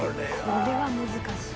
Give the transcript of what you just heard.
これは難しい。